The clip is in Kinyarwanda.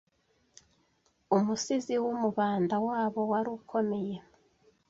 umusizi w’umubanda wabo wari ukomeye